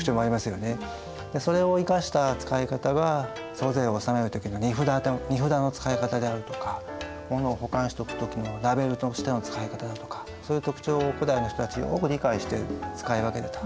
それを生かした使い方が租税を納める時の荷札の使い方であるとか物を保管しとく時のラベルとしての使い方だとかそういう特長を古代の人たちよく理解して使い分けてた。